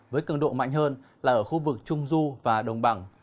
với cường độ mạnh hơn là ở khu vực trung du và đồng bằng